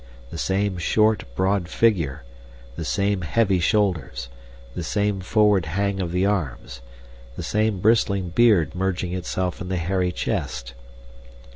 The same short, broad figure, the same heavy shoulders, the same forward hang of the arms, the same bristling beard merging itself in the hairy chest.